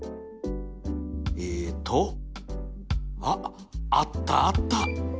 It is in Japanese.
えとあっあったあった